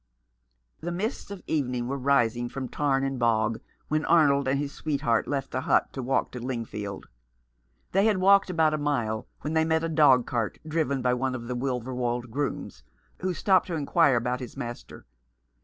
The mists of evening were rising from tarn and bog when Arnold and his sweetheart left the hut to walk to Lingfield. They had walked about a mile when they met a dog cart, driven by one of the Wilverwold grooms, who stopped to inquire about his master.